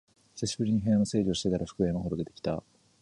久しぶりに部屋の整理をしたら服が山ほど出てきた